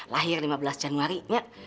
lahir lima belas januari nggak